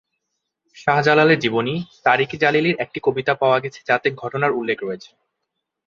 শাহ জালালের জীবনী, তারিক-ই-জালালির একটি কবিতা পাওয়া গেছে যাতে ঘটনার উল্লেখ রয়েছে।